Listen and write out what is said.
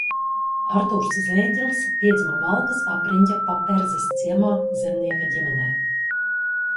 Artūrs Zēģelis piedzima Valkas apriņķa Paperzes ciemā zemnieka ģimenē.